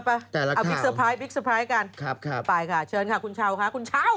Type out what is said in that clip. ไปเอาบิ๊กเซอร์ไพรส์กันไปค่ะเชิญค่ะคุณเช้าค่ะคุณเช้า